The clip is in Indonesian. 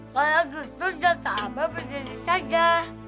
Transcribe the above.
kalau gitu jatah abang berdiri saja